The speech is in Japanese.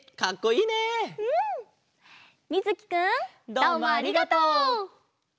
どうもありがとう！